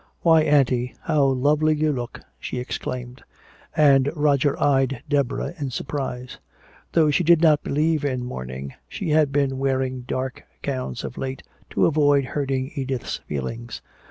"Why, Auntie, how lovely you look!" she exclaimed. And Roger eyed Deborah in surprise. Though she did not believe in mourning, she had been wearing dark gowns of late to avoid hurting Edith's feelings.